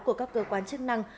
của các cơ quan chức năng